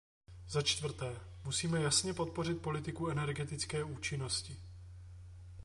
Začtvrté, musíme jasně podpořit politiku energetické účinnosti.